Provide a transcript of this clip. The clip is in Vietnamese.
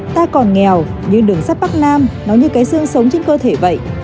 ta còn nghèo như đường sắt bắc nam nó như cái xương sống trên cơ thể vậy